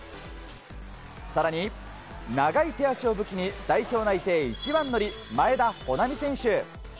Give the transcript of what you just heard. さらに長い手足を武器に代表内定一番乗り、前田穂南選手。